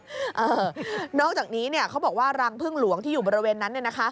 เออนอกจากนี้เขาบอกว่ารังพึ่งหลวงที่อยู่บริเวณนั้น